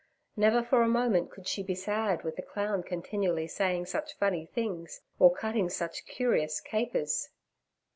Never for a moment could she be sad, with the clown continually saying such funny things or cutting such curious capers.